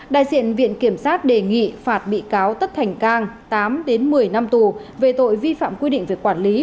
đại diện viện kiểm sát đề nghị phạt bị cáo tất thành cang tám đến một mươi năm tù về tội vi phạm quy định về quản lý